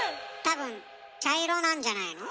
多分茶色なんじゃないの？